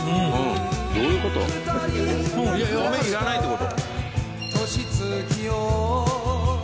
米いらないってこと。